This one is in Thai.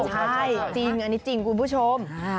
ใช่จริงอันนี้จริงคุณผู้ชม